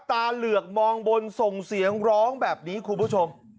ตาเหลือกมองบนส่งเสียงร้องแบบนี้คุณผู้ชม